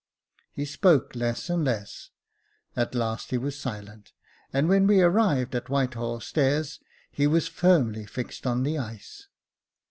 He spoke less and less ; at last he was silent, and when we arrived at Whitehall stairs, he was firmly fixed on the ice.